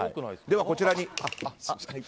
では、こちらに。